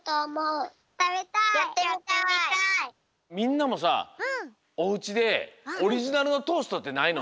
みんなもさおうちでオリジナルのトーストってないの？